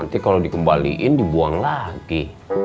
nanti kalau dikembaliin dibuang lagi